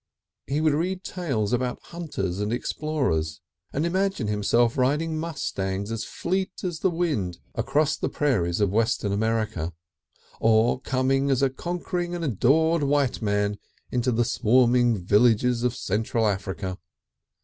He would read tales about hunters and explorers, and imagine himself riding mustangs as fleet as the wind across the prairies of Western America, or coming as a conquering and adored white man into the swarming villages of Central Africa.